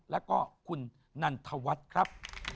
แล้วก็คุณนันทวัฒน์ครับ